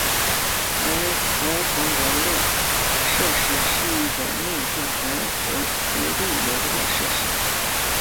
儿童游乐设施是一种面向儿童的投币游乐设施。